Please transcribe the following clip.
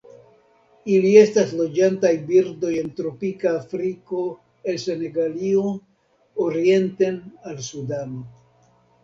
Ili estas loĝantaj birdoj en tropika Afriko el Senegalio orienten al Sudano.